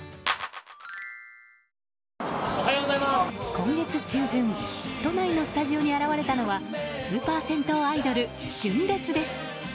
今月中旬都内のスタジオに現れたのはスーパー銭湯アイドル純烈です。